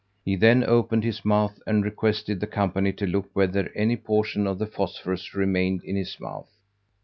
He then opened his mouth and requested the company to look whether any portion of the phosphorus remained in his mouth.